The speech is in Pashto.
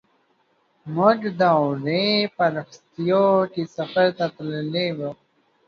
موږ د اوړي په رخصتیو کې سفر ته تللي وو.